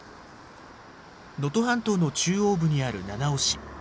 能登半島の中央部にある七尾市。